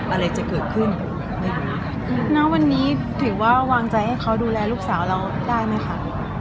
ไม่รู้นะวันนี้คือว่าวางใจให้เขาดูแลลูกสาวเราได้มั้ยคะ